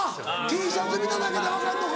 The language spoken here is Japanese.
Ｔシャツ見ただけで分かんのか。